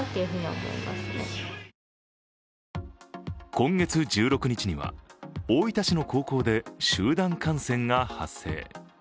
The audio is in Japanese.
今月１６日には大分市の高校で集団感染が発生。